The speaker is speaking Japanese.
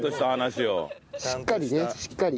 しっかりねしっかり。